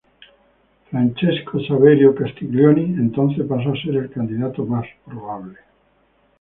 Francesco Saverio Castiglioni entonces pasó a ser el candidato más probable.